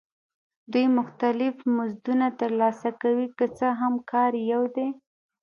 دوی مختلف مزدونه ترلاسه کوي که څه هم کار یې یو دی